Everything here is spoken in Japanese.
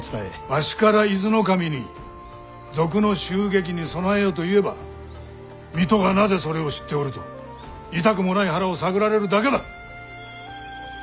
わしから伊豆守に「賊の襲撃に備えよ」と言えば水戸がなぜそれを知っておると痛くもない腹を探られるだけだ！